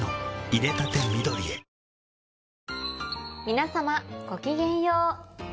皆様ごきげんよう。